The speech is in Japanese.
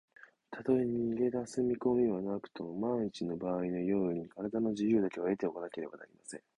たとえ逃げだす見こみはなくとも、まんいちのばあいの用意に、からだの自由だけは得ておかねばなりません。